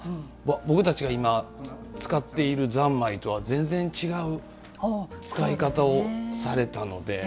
僕たちが今、使っている三昧とは全然違う使い方をされたので。